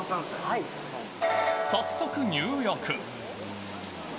早速、入浴。